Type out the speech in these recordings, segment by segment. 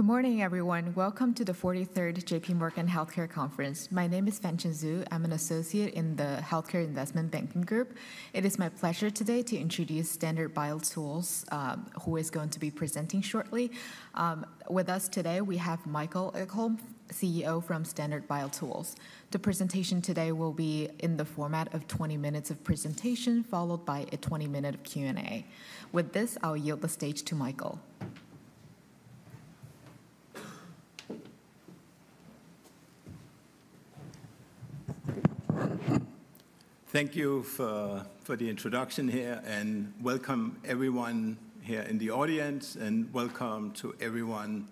Good morning, everyone. Welcome to the 43rd J.P. Morgan Healthcare Conference. My name is Fanchen Zhou. I'm an associate in the Healthcare Investment Banking Group. It is my pleasure today to introduce Standard BioTools, who is going to be presenting shortly. With us today, we have Michael Egholm, CEO, from Standard BioTools. The presentation today will be in the format of 20 minutes of presentation, followed by a 20-minute Q&A. With this, I'll yield the stage to Michael. Thank you for the introduction here, and welcome everyone here in the audience, and welcome to everyone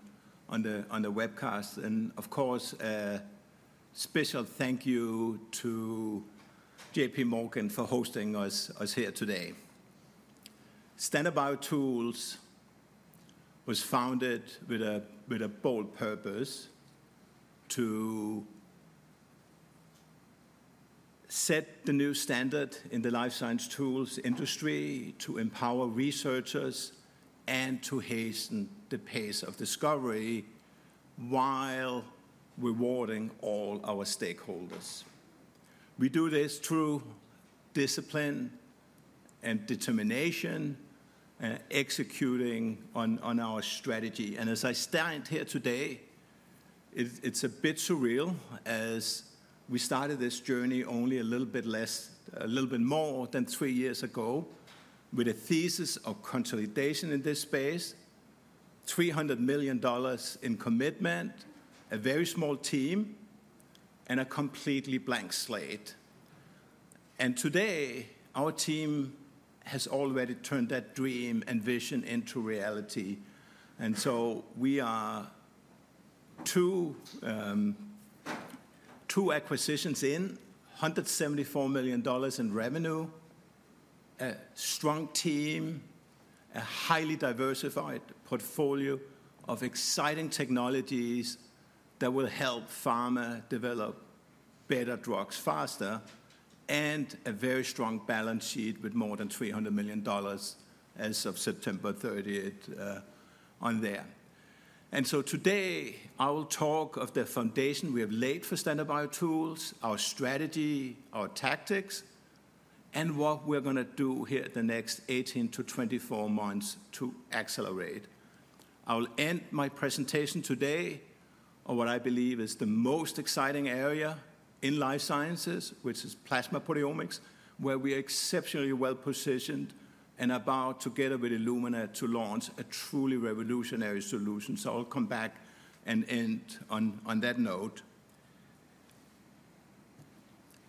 on the webcast. And of course, a special thank you to JPMorgan for hosting us here today. Standard BioTools was founded with a bold purpose to set the new standard in the life science tools industry, to empower researchers, and to hasten the pace of discovery while rewarding all our stakeholders. We do this through discipline and determination, executing on our strategy. And as I stand here today, it's a bit surreal, as we started this journey only a little bit less, a little bit more than three years ago, with a thesis of consolidation in this space, $300 million in commitment, a very small team, and a completely blank slate. And today, our team has already turned that dream and vision into reality. And so we are two acquisitions in, $174 million in revenue, a strong team, a highly diversified portfolio of exciting technologies that will help pharma develop better drugs faster, and a very strong balance sheet with more than $300 million as of September 30th on there. And so today, I will talk of the foundation we have laid for Standard BioTools, our strategy, our tactics, and what we're going to do here the next 18 to 24 months to accelerate. I will end my presentation today on what I believe is the most exciting area in life sciences, which is plasma proteomics, where we are exceptionally well positioned and about, together with Illumina, to launch a truly revolutionary solution. So I'll come back and end on that note.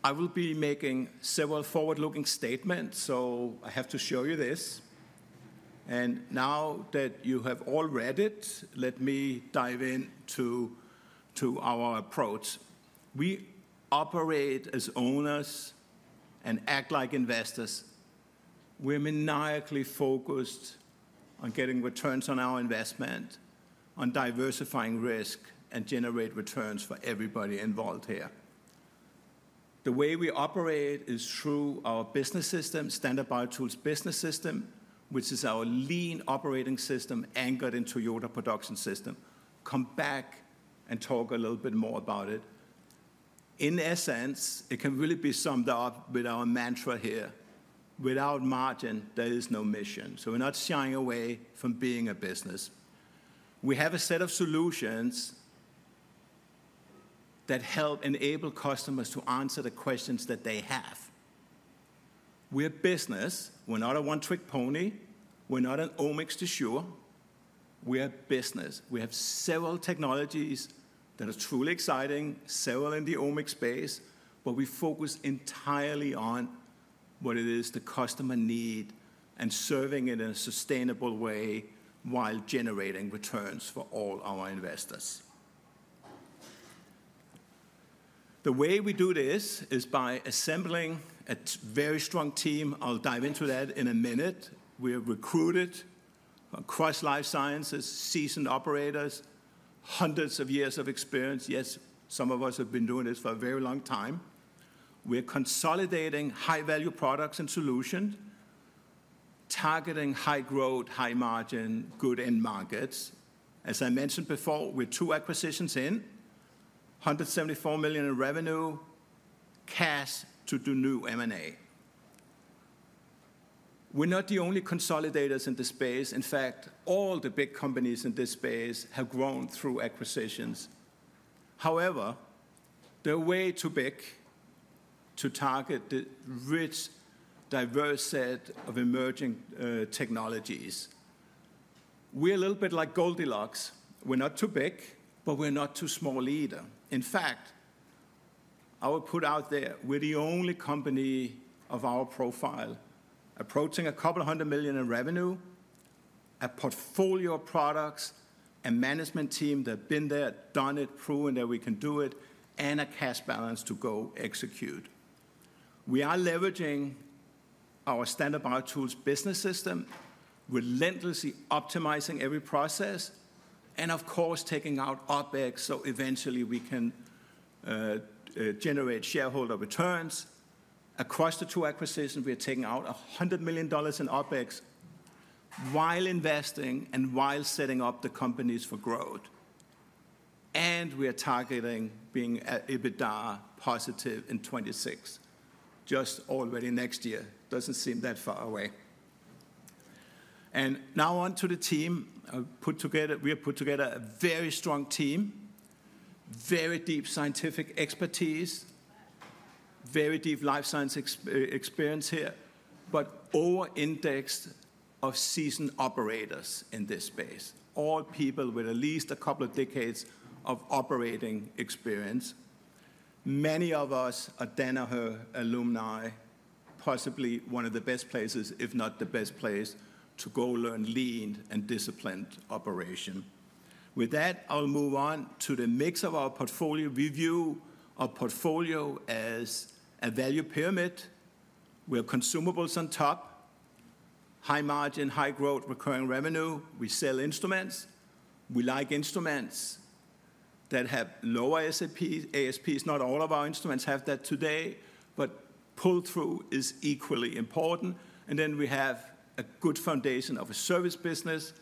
I will be making several forward-looking statements, so I have to show you this. Now that you have all read it, let me dive into our approach. We operate as owners and act like investors. We are maniacally focused on getting returns on our investment, on diversifying risk, and generate returns for everybody involved here. The way we operate is through our business system, Standard BioTools Business System, which is our lean operating system anchored in Toyota Production System. Come back and talk a little bit more about it. In essence, it can really be summed up with our mantra here: without margin, there is no mission. So we're not shying away from being a business. We have a set of solutions that help enable customers to answer the questions that they have. We are business. We're not a one-trick pony. We're not an omics du jour. We are business. We have several technologies that are truly exciting, several in the omics space, but we focus entirely on what it is the customer needs and serving it in a sustainable way while generating returns for all our investors. The way we do this is by assembling a very strong team. I'll dive into that in a minute. We have recruited across life sciences seasoned operators, hundreds of years of experience. Yes, some of us have been doing this for a very long time. We are consolidating high-value products and solutions, targeting high growth, high margin, good end markets. As I mentioned before, we're two acquisitions in, $174 million in revenue, cash to do new M&A. We're not the only consolidators in this space. In fact, all the big companies in this space have grown through acquisitions. However, they're way too big to target the rich, diverse set of emerging technologies. We're a little bit like Goldilocks. We're not too big, but we're not too small either. In fact, I will put out there, we're the only company of our profile approaching a couple of hundred million in revenue, a portfolio of products, a management team that have been there, done it, proven that we can do it, and a cash balance to go execute. We are leveraging our Standard BioTools Business System, relentlessly optimizing every process, and of course, taking out OpEx so eventually we can generate shareholder returns. Across the two acquisitions, we are taking out $100 million in OpEx while investing and while setting up the companies for growth. And we are targeting being EBITDA positive in 2026, just already next year. Doesn't seem that far away. And now on to the team. We have put together a very strong team, very deep scientific expertise, very deep life science experience here, but all indexed to seasoned operators in this space, all people with at least a couple of decades of operating experience. Many of us are Danaher alumni, possibly one of the best places, if not the best place, to go learn lean and disciplined operation. With that, I'll move on to the mix of our portfolio. We view our portfolio as a value pyramid. We have consumables on top, high margin, high growth, recurring revenue. We sell instruments. We like instruments that have lower ASPs. Not all of our instruments have that today, but pull-through is equally important. And then we have a good foundation of a service business,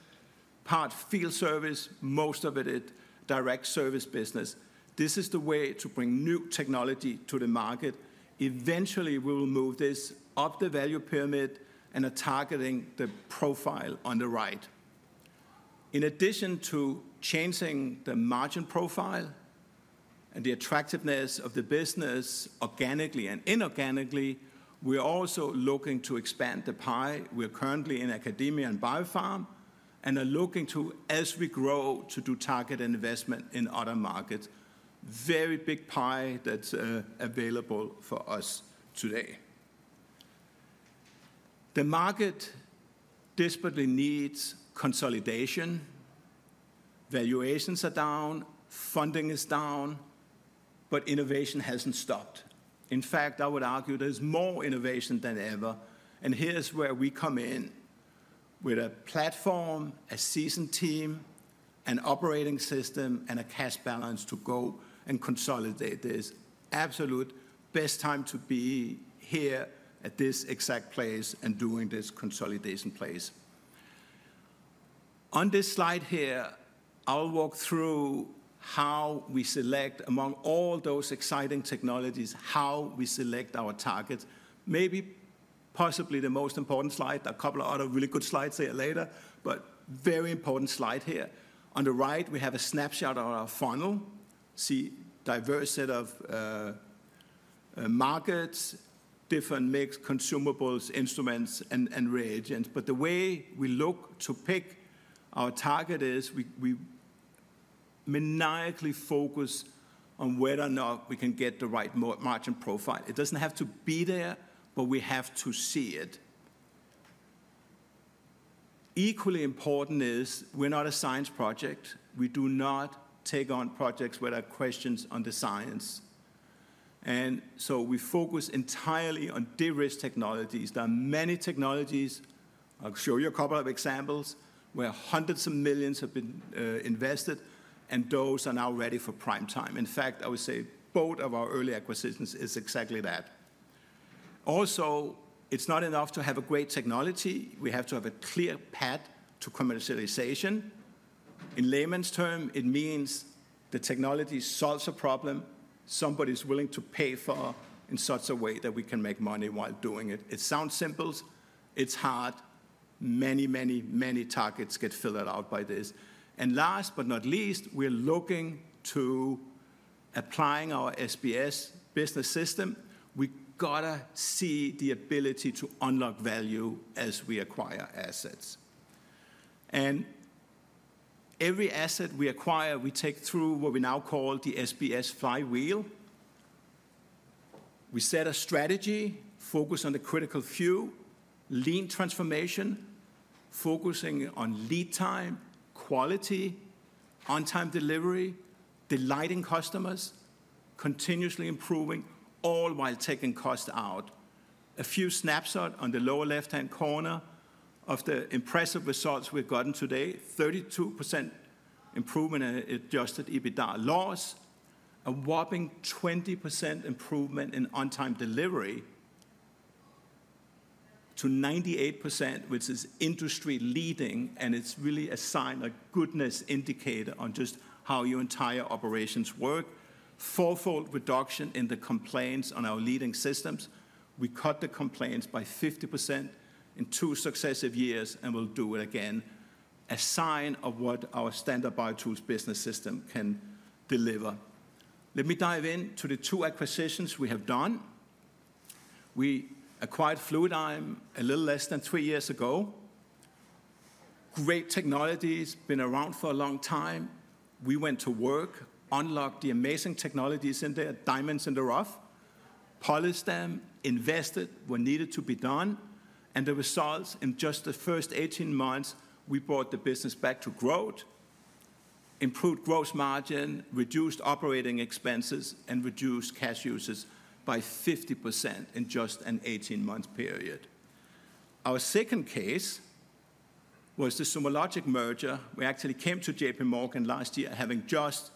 part field service, most of it direct service business. This is the way to bring new technology to the market. Eventually, we will move this up the value pyramid and are targeting the profile on the right. In addition to changing the margin profile and the attractiveness of the business organically and inorganically, we are also looking to expand the pie. We are currently in academia and biopharm, and are looking to, as we grow, to do target investment in other markets. Very big pie that's available for us today. The market desperately needs consolidation. Valuations are down. Funding is down. But innovation hasn't stopped. In fact, I would argue there's more innovation than ever. And here's where we come in with a platform, a seasoned team, an operating system, and a cash balance to go and consolidate this. Absolute best time to be here at this exact place and doing this consolidation place. On this slide here, I'll walk through how we select among all those exciting technologies, how we select our targets. Maybe possibly the most important slide. There are a couple of other really good slides here later, but very important slide here. On the right, we have a snapshot of our funnel. We see a diverse set of markets, a different mix of consumables, instruments, and reagents, but the way we look to pick our target is we maniacally focus on whether or not we can get the right margin profile. It doesn't have to be there, but we have to see it. Equally important is we're not a science project. We do not take on projects where there are questions on the science. And so we focus entirely on de-risk technologies. There are many technologies. I'll show you a couple of examples where hundreds of millions have been invested, and those are now ready for prime time. In fact, I would say both of our early acquisitions is exactly that. Also, it's not enough to have a great technology. We have to have a clear path to commercialization. In layman's term, it means the technology solves a problem somebody is willing to pay for in such a way that we can make money while doing it. It sounds simple. It's hard. Many, many, many targets get filled out by this. And last but not least, we're looking to applying our SBS, Business System. We got to see the ability to unlock value as we acquire assets. And every asset we acquire, we take through what we now call the SBS flywheel. We set a strategy focused on the critical few, lean transformation, focusing on lead time, quality, on-time delivery, delighting customers, continuously improving, all while taking cost out. A few snapshots on the lower left-hand corner of the impressive results we've gotten today: 32% improvement in adjusted EBITDA loss, a whopping 20% improvement in on-time delivery to 98%, which is industry leading, and it's really a sign, a goodness indicator on just how your entire operations work. Four-fold reduction in the complaints on our leading systems. We cut the complaints by 50% in two successive years and will do it again. A sign Standard BioTools Business System can deliver. let me dive into the two acquisitions we have done. We acquired Fluidigm a little less than three years ago. Great technologies been around for a long time. We went to work, unlocked the amazing technologies in there, diamonds in the rough, polished them, invested what needed to be done, and the results in just the first 18 months, we brought the business back to growth, improved gross margin, reduced operating expenses, and reduced cash uses by 50% in just an 18-month period. Our second case was the SomaLogic merger. We actually came to JPMorgan last year, having just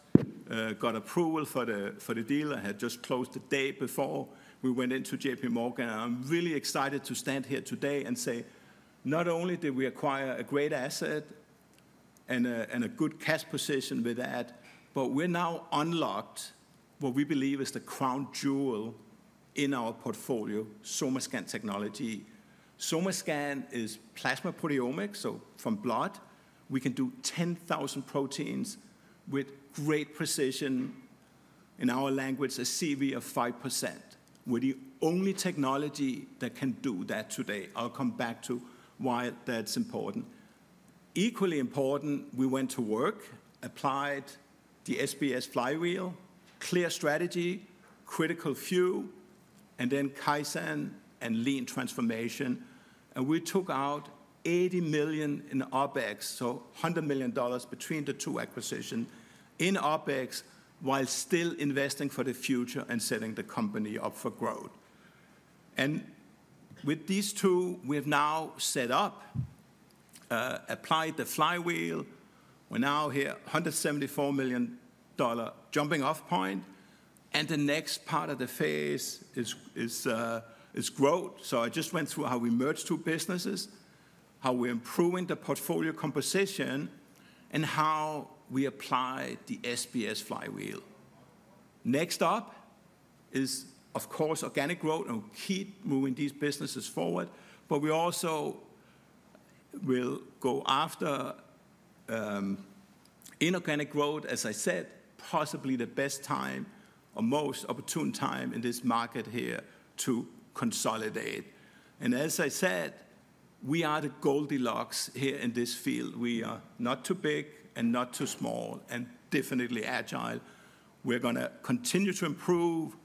got approval for the deal. I had just closed the day before we went into JPMorgan. I'm really excited to stand here today and say, not only did we acquire a great asset and a good cash position with that, but we're now unlocked what we believe is the crown jewel in our portfolio, SomaScan technology. SomaScan is plasma proteomics, so from blood, we can do 10,000 proteins with great precision. In our language, a CV of 5%. We're the only technology that can do that today. I'll come back to why that's important. Equally important, we went to work, applied the SBS flywheel, clear strategy, critical few, and then Kaizen and lean transformation, and we took out $80 million in OpEx, so $100 million between the two acquisitions in OpEx while still investing for the future and setting the company up for growth, and with these two, we have now set up, applied the flywheel. We're now here, $174 million jumping-off point, and the next part of the phase is growth, so I just went through how we merged two businesses, how we're improving the portfolio composition, and how we apply the SBS flywheel. Next up is, of course, organic growth. We'll keep moving these businesses forward, but we also will go after inorganic growth. As I said, possibly the best time or most opportune time in this market here to consolidate, and as I said, we are the Goldilocks here in this field. We are not too big and not too small and definitely agile. We're going to continue to improve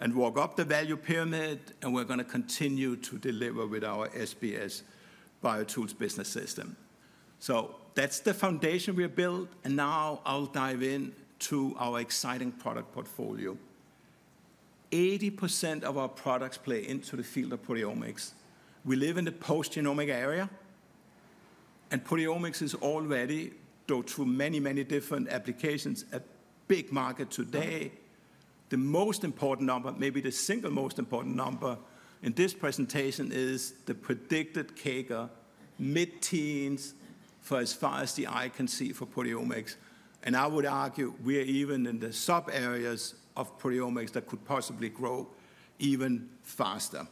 and walk up the value pyramid, and we're going to continue to deliver with our SBS, BioTools Business System. That's the foundation we have built, and now I'll dive into our exciting product portfolio. 80% of our products play into the field of proteomics. We live in the post-genomic era, and proteomics is already through many, many different applications at big markets today. The most important number, maybe the single most important number in this presentation, is the predicted CAGR, mid-teens, for as far as the eye can see for proteomics. I would argue we are even in the sub-areas of proteomics that could possibly grow even faster.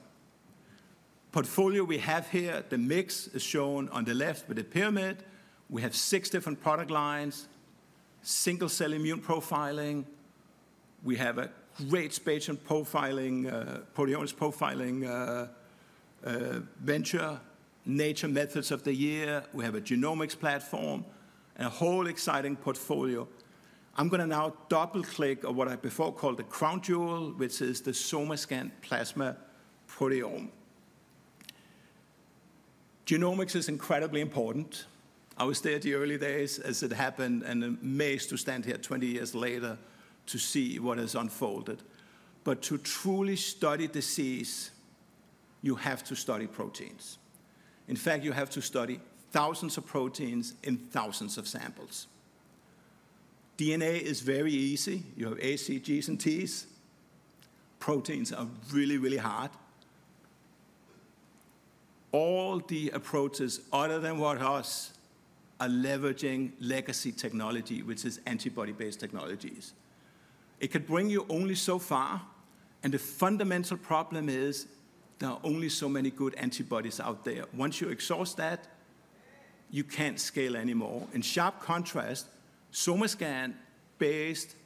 Portfolio we have here, the mix is shown on the left with the pyramid. We have six different product lines, single-cell immune profiling. We have a great spatial proteomics profiling venture, Nature Methods of the year. We have a genomics platform and a whole exciting portfolio. I'm going to now double-click on what I before called the crown jewel, which is the SomaScan plasma proteome. Genomics is incredibly important. I was there in the early days as it happened and amazed to stand here 20 years later to see what has unfolded. To truly study disease, you have to study proteins. In fact, you have to study thousands of proteins in thousands of samples. DNA is very easy. You have A, C, G's and T's. Proteins are really, really hard. All the approaches other than what we are leveraging are legacy technology, which is antibody-based technologies. It could bring you only so far, and the fundamental problem is there are only so many good antibodies out there. Once you exhaust that, you can't scale anymore. In sharp contrast, SomaScan based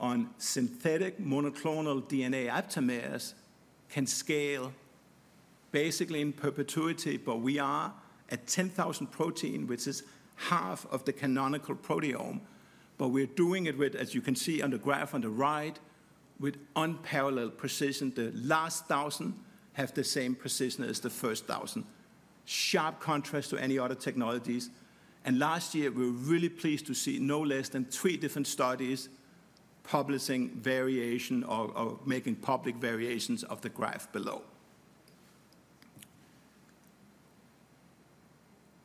on synthetic monoclonal DNA aptamers can scale basically in perpetuity, but we are at 10,000 proteins, which is half of the canonical proteome. But we're doing it with, as you can see on the graph on the right, with unparalleled precision. The last thousand have the same precision as the first thousand, sharp contrast to any other technologies, and last year, we were really pleased to see no less than three different studies publishing variation or making public variations of the graph below,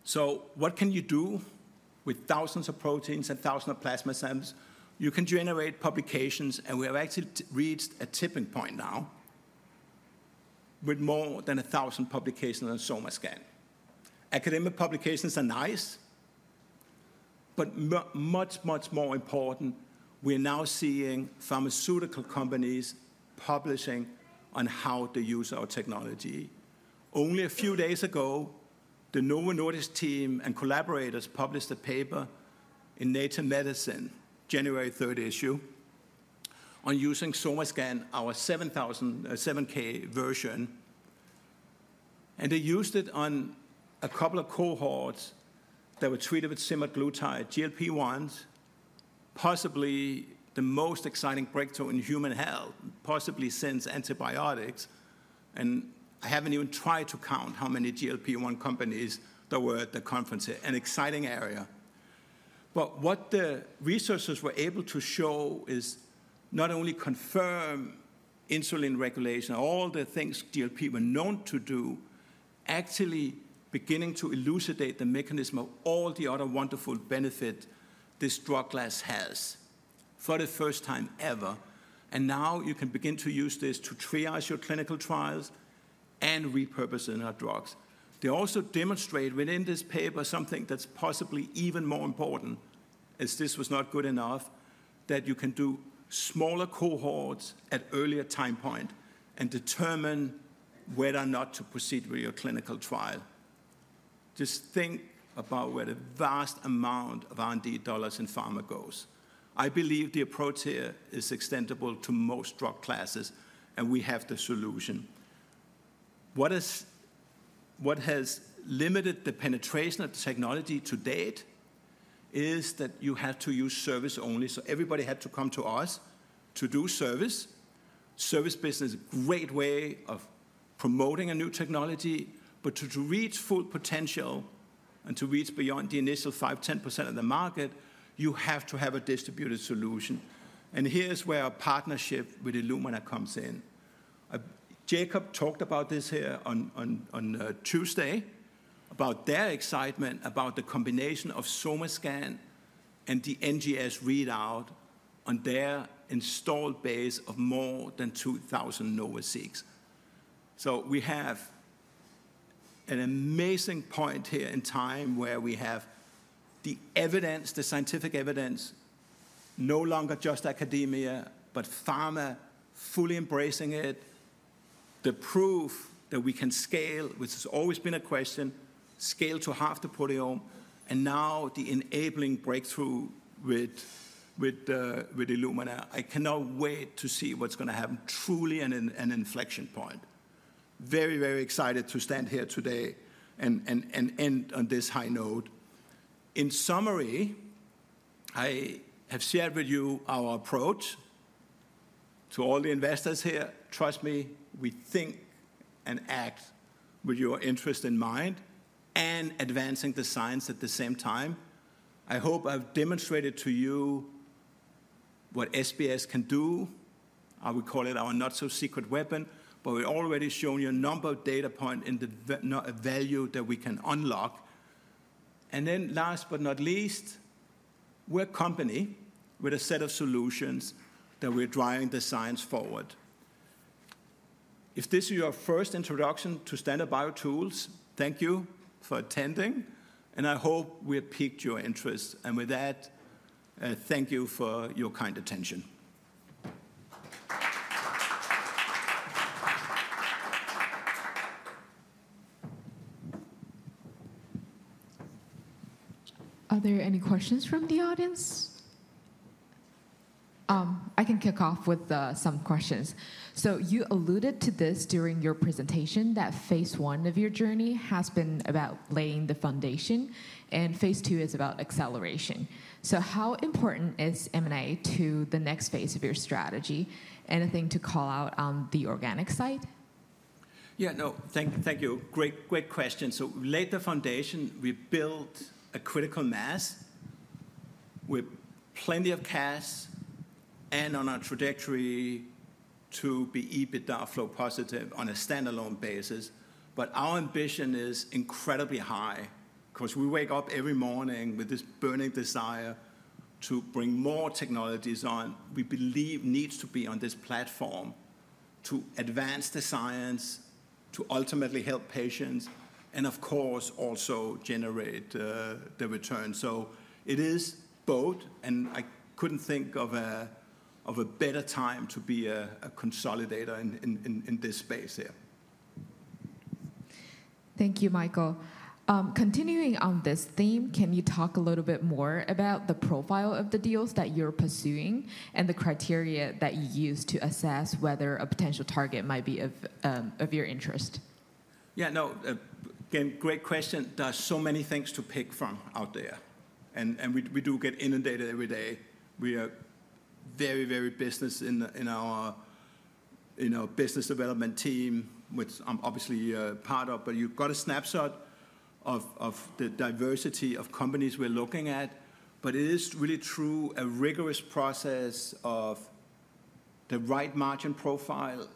so what can you do with thousands of proteins and thousands of plasma samples? You can generate publications, and we have actually reached a tipping point now with more than a thousand publications on SomaScan. Academic publications are nice, but much, much more important, we are now seeing pharmaceutical companies publishing on how to use our technology. Only a few days ago, the Novo Nordisk team and collaborators published a paper in Nature Medicine, January 3rd issue, on using SomaScan, our 7K version. And they used it on a couple of cohorts that were treated with semaglutide, GLP-1s, possibly the most exciting breakthrough in human health, possibly since antibiotics. And I haven't even tried to count how many GLP-1 companies there were at the conference here. An exciting area. But what the researchers were able to show is not only confirm insulin regulation, all the things GLP were known to do, actually beginning to elucidate the mechanism of all the other wonderful benefits this drug class has for the first time ever. And now you can begin to use this to triage your clinical trials and repurpose in our drugs. They also demonstrate within this paper something that's possibly even more important as this was not good enough, that you can do smaller cohorts at earlier time point and determine whether or not to proceed with your clinical trial. Just think about where the vast amount of R&D dollars in pharma goes. I believe the approach here is extendable to most drug classes, and we have the solution. What has limited the penetration of the technology to date is that you have to use service only. Everybody had to come to us to do service. Service business is a great way of promoting a new technology. But to reach full potential and to reach beyond the initial 5%, 10% of the market, you have to have a distributed solution. Here's where our partnership with Illumina comes in. Jacob talked about this here on Tuesday about their excitement about the combination of SomaScan and the NGS readout on their installed base of more than 2,000 NovaSeqs. We have an amazing point here in time where we have the evidence, the scientific evidence, no longer just academia, but pharma fully embracing it, the proof that we can scale, which has always been a question, scale to half the proteome, and now the enabling breakthrough with Illumina. I cannot wait to see what's going to happen, truly an inflection point. Very, very excited to stand here today and end on this high note. In summary, I have shared with you our approach to all the investors here. Trust me, we think and act with your interest in mind and advancing the science at the same time. I hope I've demonstrated to you what SBS can do. I would call it our not-so-secret weapon, but we've already shown you a number of data points in the value that we can unlock. And then last but not least, we're a company with a set of solutions that we're driving the science forward. If this is your first introduction to Standard BioTools, thank you for attending, and I hope we have piqued your interest. And with that, thank you for your kind attention. Are there any questions from the audience? I can kick off with some questions. So you alluded to this during your presentation that phase one of your journey has been about laying the foundation, and phase two is about acceleration. So how important is M&A to the next phase of your strategy? Anything to call out on the organic side? Yeah, no, thank you. Great question. So we laid the foundation. We built a critical mass with plenty of cash and on our trajectory to be EBITDA flow positive on a standalone basis. But our ambition is incredibly high because we wake up every morning with this burning desire to bring more technologies on. We believe needs to be on this platform to advance the science, to ultimately help patients, and of course, also generate the return. So it is both, and I couldn't think of a better time to be a consolidator in this space here. Thank you, Michael. Continuing on this theme, can you talk a little bit more about the profile of the deals that you're pursuing and the criteria that you use to assess whether a potential target might be of your interest? Yeah, no, again, great question. There are so many things to pick from out there. And we do get inundated every day. We are very, very busy in our business development team, which I'm obviously a part of. But you've got a snapshot of the diversity of companies we're looking at. But it is really through a rigorous process of the right margin profile.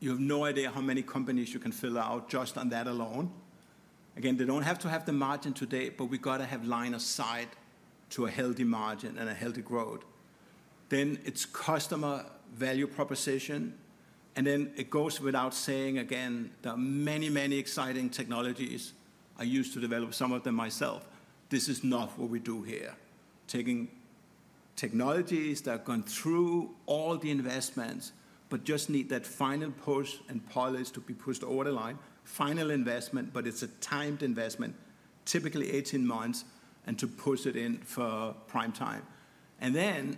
You have no idea how many companies you can filter out just on that alone. Again, they don't have to have the margin today, but we've got to have line of sight to a healthy margin and a healthy growth. Then it's customer value proposition. And then it goes without saying, again, there are many, many exciting technologies. I used to develop some of them myself. This is not what we do here. Taking technologies that have gone through all the investments, but just need that final push and polish to be pushed over the line. Final investment, but it's a timed investment, typically 18 months, and to push it in for prime time. And then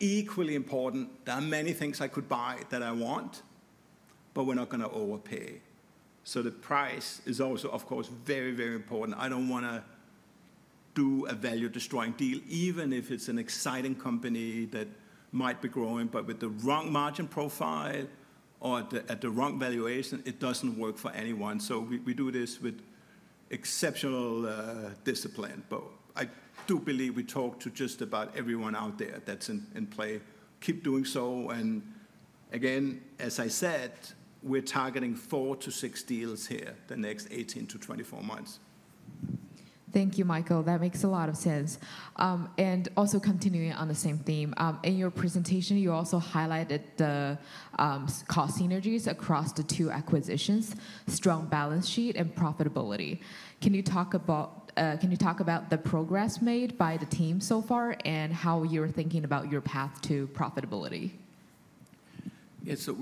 equally important, there are many things I could buy that I want, but we're not going to overpay. So the price is also, of course, very, very important. I don't want to do a value-destroying deal, even if it's an exciting company that might be growing, but with the wrong margin profile or at the wrong valuation, it doesn't work for anyone. So we do this with exceptional discipline. But I do believe we talked to just about everyone out there that's in play. Keep doing so. And again, as I said, we're targeting four to six deals here the next 18 to 24 months. Thank you, Michael. That makes a lot of sense. And also continuing on the same theme, in your presentation, you also highlighted the cost synergies across the two acquisitions, strong balance sheet and profitability. Can you talk about the progress made by the team so far and how you're thinking about your path to profitability? Yeah, so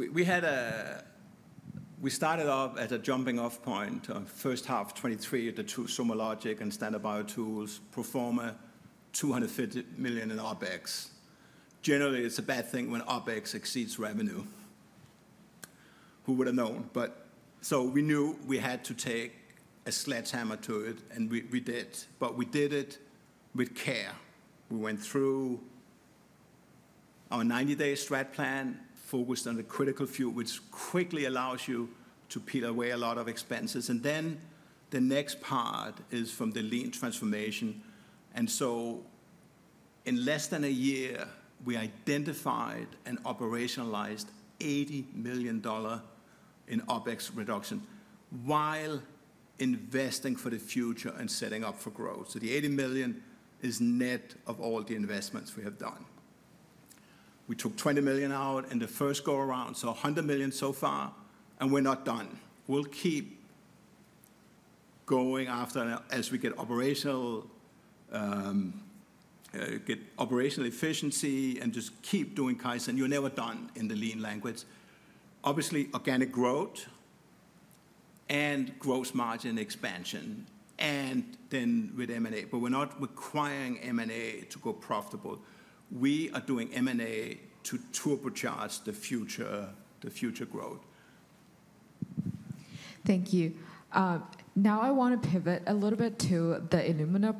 we started off as a jumping-off point. First half of 2023, the two SomaLogic and Standard BioTools performed $250 million in OpEx. Generally, it's a bad thing when OpEx exceeds revenue. Who would have known? But so we knew we had to take a sledgehammer to it, and we did. But we did it with care. We went through our 90-day strat plan focused on the critical fuel, which quickly allows you to peel away a lot of expenses, and then the next part is from the lean transformation, and so in less than a year, we identified and operationalized $80 million in OpEx reduction while investing for the future and setting up for growth, so the $80 million is net of all the investments we have done. We took $20 million out in the first go around, so $100 million so far, and we're not done. We'll keep going after as we get operational efficiency and just keep doing Kaizen. You're never done in the lean language. Obviously, organic growth and gross margin expansion, and then with M&A, but we're not requiring M&A to go profitable. We are doing M&A to turbocharge the future growth. Thank you. Now I want to pivot a little bit to the Illumina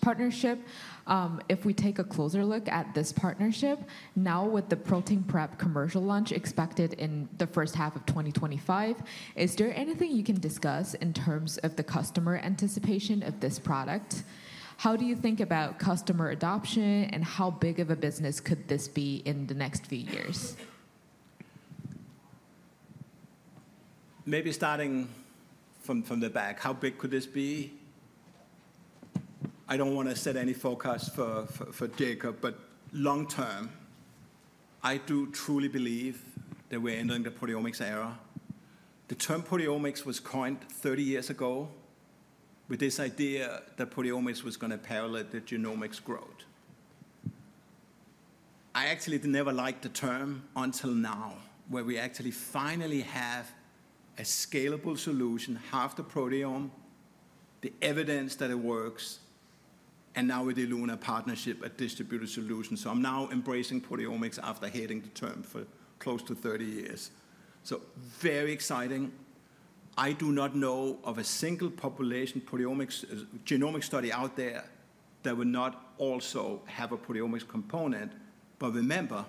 partnership. If we take a closer look at this partnership, now with the Protein Prep commercial launch expected in the first half of 2025, is there anything you can discuss in terms of the customer anticipation of this product? How do you think about customer adoption and how big of a business could this be in the next few years? Maybe starting from the back, how big could this be? I don't want to set any forecast for Jacob, but long term, I do truly believe that we're entering the proteomics era. The term proteomics was coined 30 years ago with this idea that proteomics was going to parallel the genomics growth. I actually never liked the term until now, where we actually finally have a scalable solution, half the proteome, the evidence that it works, and now with Illumina partnership, a distributed solution, so I'm now embracing proteomics after hating the term for close to 30 years, so very exciting. I do not know of a single population genomics study out there that would not also have a proteomics component, but remember,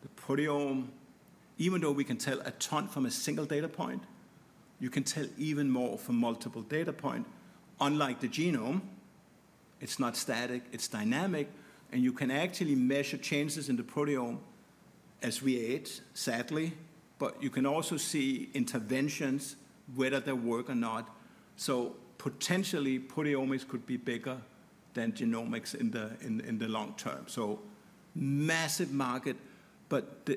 the proteome, even though we can tell a ton from a single data point, you can tell even more from multiple data points. Unlike the genome, it's not static, it's dynamic, and you can actually measure changes in the proteome as we age, sadly, but you can also see interventions, whether they work or not, so potentially, proteomics could be bigger than genomics in the long term, so massive market, but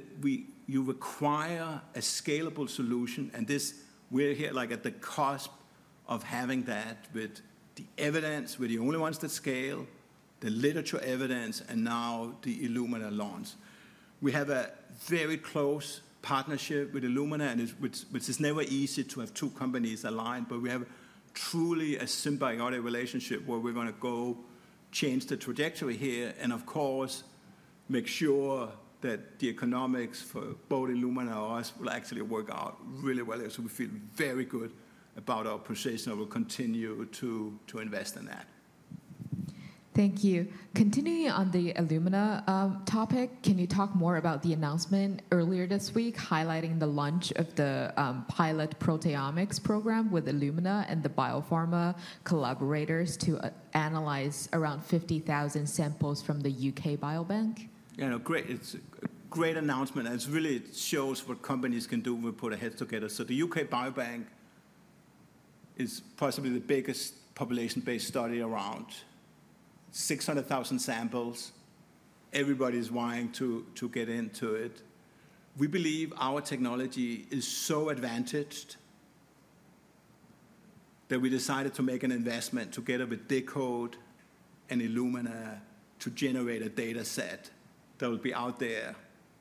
you require a scalable solution. And we're here at the cusp of having that with the evidence. We're the only ones that scale, the literature evidence, and now the Illumina launch. We have a very close partnership with Illumina, which is never easy to have two companies aligned. But we have truly a symbiotic relationship where we're going to go change the trajectory here and, of course, make sure that the economics for both Illumina and us will actually work out really well. So we feel very good about our position. We'll continue to invest in that. Thank you. Continuing on the Illumina topic, can you talk more about the announcement earlier this week highlighting the launch of the pilot proteomics program with Illumina and the biopharma collaborators to analyze around 50,000 samples from the UK Biobank? Yeah, no, great. It's a great announcement. And it really shows what companies can do when we put our heads together. So the UK Biobank is possibly the biggest population-based study around 600,000 samples. Everybody is vying to get into it. We believe our technology is so advantaged that we decided to make an investment together with deCODE and Illumina to generate a data set that will be out there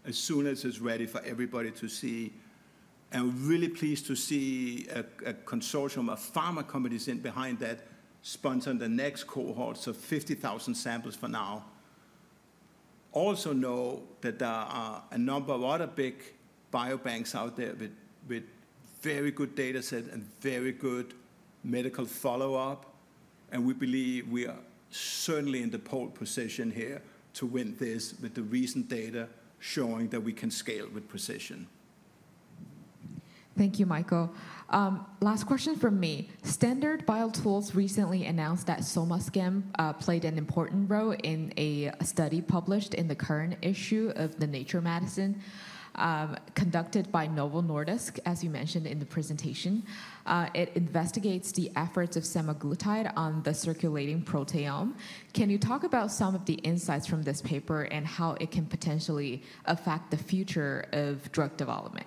as soon as it's ready for everybody to see. And we're really pleased to see a consortium of pharma companies in behind that sponsoring the next cohort. So 50,000 samples for now. Also know that there are a number of other big biobanks out there with very good data set and very good medical follow-up. And we believe we are certainly in the pole position here to win this with the recent data showing that we can scale with precision. Thank you, Michael. Last question from me. Standard BioTools recently announced that SomaScan played an important role in a study published in the current issue of Nature Medicine conducted by Novo Nordisk, as you mentioned in the presentation. It investigates the effects of semaglutide on the circulating proteome. Can you talk about some of the insights from this paper and how it can potentially affect the future of drug development?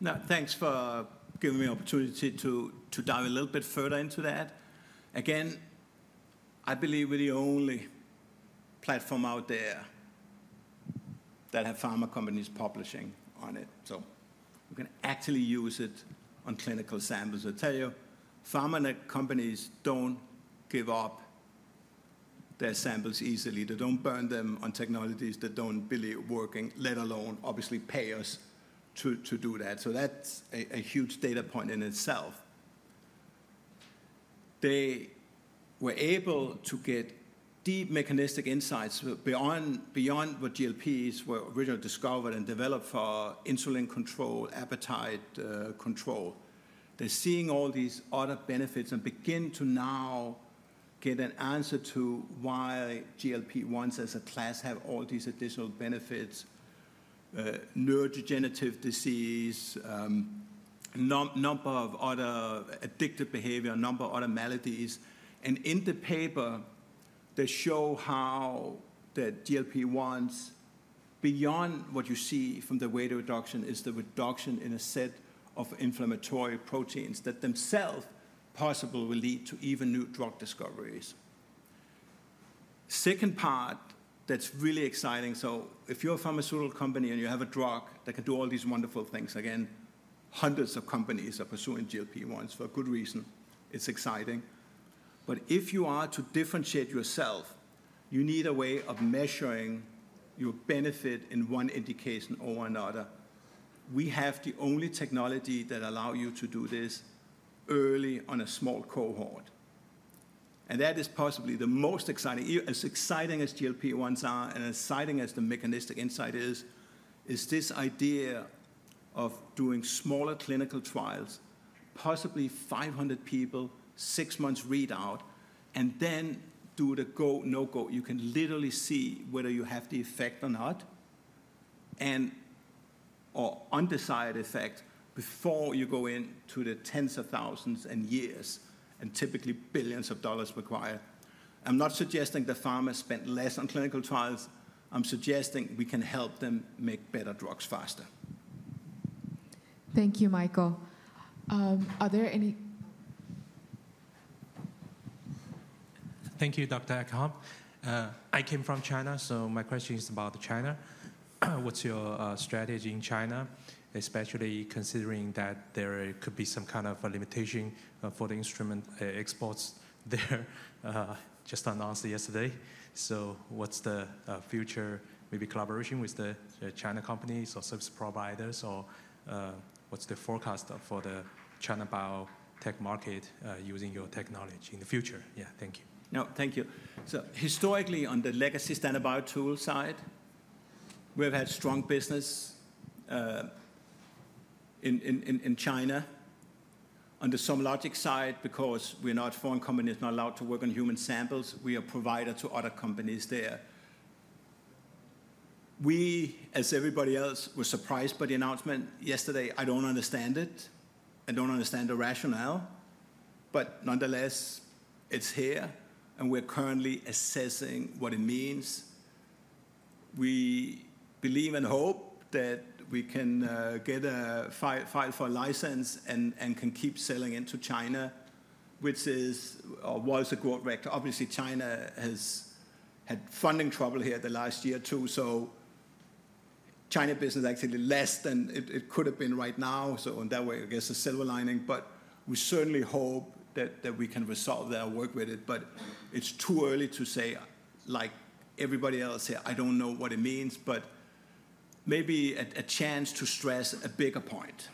No, thanks for giving me an opportunity to dive a little bit further into that. Again, I believe we're the only platform out there that has pharma companies publishing on it. So we can actually use it on clinical samples. I tell you, pharma companies don't give up their samples easily. They don't burn them on technologies that don't believe are working, let alone, obviously, pay us to do that. So that's a huge data point in itself. They were able to get deep mechanistic insights beyond what GLPs were originally discovered and developed for insulin control, appetite control. They're seeing all these other benefits and begin to now get an answer to why GLP-1s as a class have all these additional benefits: neurodegenerative disease, a number of other addictive behavior, a number of other maladies, and in the paper, they show how the GLP-1s, beyond what you see from the way the reduction is, the reduction in a set of inflammatory proteins that themselves possibly will lead to even new drug discoveries, second part that's really exciting, so if you're a pharmaceutical company and you have a drug that can do all these wonderful things, again, hundreds of companies are pursuing GLP-1s for a good reason. It's exciting. But if you are to differentiate yourself, you need a way of measuring your benefit in one indication or another. We have the only technology that allows you to do this early on a small cohort. And that is possibly the most exciting. As exciting as GLP-1s are and as exciting as the mechanistic insight is, is this idea of doing smaller clinical trials, possibly 500 people, six months readout, and then do the go/no go. You can literally see whether you have the effect or not, and/or undecided effect before you go into the tens of thousands and years and typically billions of dollars required. I'm not suggesting that pharma spend less on clinical trials. I'm suggesting we can help them make better drugs faster. Thank you, Michael. Are there any? Thank you, Dr. Egholm. I came from China, so my question is about China. What's your strategy in China, especially considering that there could be some kind of limitation for the instrument exports there just announced yesterday? So what's the future, maybe collaboration with the Chinese companies or service providers, or what's the forecast for the China biotech market using your technology in the future? Yeah, thank you. No, thank you. Historically, on the legacy Standard BioTools side, we've had strong business in China. On the SomaLogic side, because foreign companies are not allowed to work on human samples, we are a provider to other companies there. We, as everybody else, were surprised by the announcement yesterday. I don't understand it. I don't understand the rationale. But nonetheless, it's here, and we're currently assessing what it means. We believe and hope that we can file for a license and can keep selling into China, which is or was a growth vector. Obviously, China has had funding trouble in the last year or two. So China business is actually less than it could have been right now. So in that way, I guess a silver lining. But we certainly hope that we can resolve that or work with it. But it's too early to say, like everybody else here, I don't know what it means. But maybe a chance to stress a bigger point.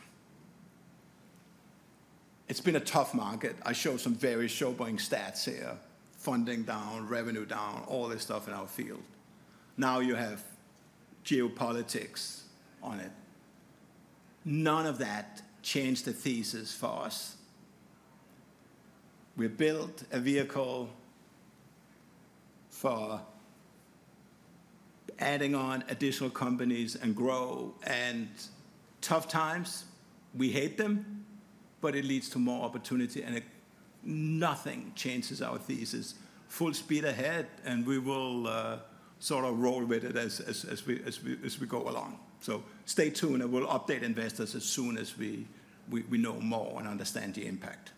It's been a tough market. I showed some very sobering stats here, funding down, revenue down, all this stuff in our field. Now you have geopolitics on it. None of that changed the thesis for us. We built a vehicle for adding on additional companies and growing. And tough times, we hate them, but it leads to more opportunity. And nothing changes our thesis. Full speed ahead, and we will sort of roll with it as we go along. So stay tuned, and we'll update investors as soon as we know more and understand the impact.